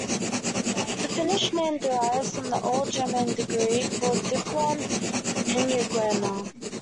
The Finnish name derives from the old German degree called "Diplom-Ingenieur".